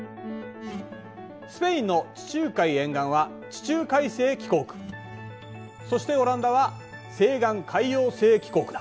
スペインの地中海沿岸は地中海性気候区そしてオランダは西岸海洋性気候区だ。